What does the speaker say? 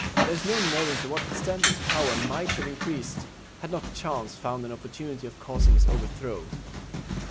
There is no knowing to what extent his power might have increased, had not chance found an opportunity of causing his overthrow.